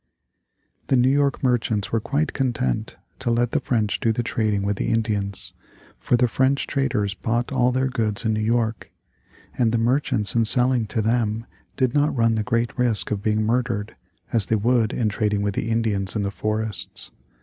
The New York merchants were quite content to let the French do the trading with the Indians, for the French traders bought all their goods in New York, and the merchants in selling to them did not run the great risk of being murdered, as they would in trading with the Indians in the forests.